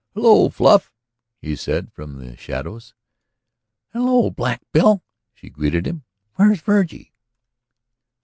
"Hello, Fluff," he said from the shadows. "Hello, Black Bill," she greeted him. "Where's Virgie?"